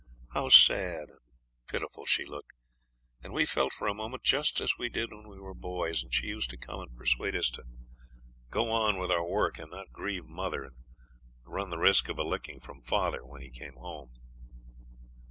How sad and pitiful she looked, and we felt for a moment just as we did when we were boys, and she used to come and persuade us to go on with our work and not grieve mother, and run the risk of a licking from father when he came home.